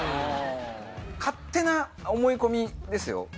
勝手な思い込みですよ。